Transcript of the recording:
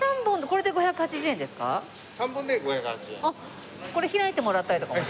これ開いてもらったりとかも。